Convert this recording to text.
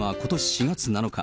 ４月７日。